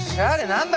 何だ？